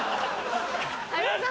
有吉さん